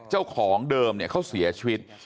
เจ้าของเดิมเขาเสียชีวิต